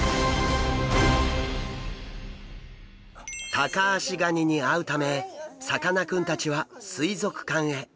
タカアシガニに会うためさかなクンたちは水族館へ。